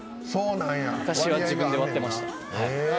昔は自分で割ってました。